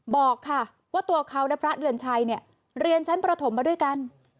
บอกค่ะว่าตัวเขาและพระเดือนชัยเนี่ยเรียนชั้นประถมมาด้วยกัน